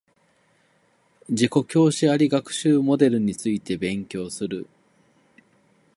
自己教師あり学習モデルについて勉強する